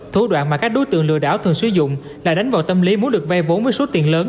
thủ đoạn mà các đối tượng lừa đảo thường sử dụng là đánh vào tâm lý muốn được vay vốn với số tiền lớn